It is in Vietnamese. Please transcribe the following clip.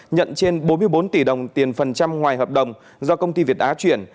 nhận trên bốn mươi bốn tỷ đồng tiền phần trăm ngoài hợp đồng do công ty việt á chuyển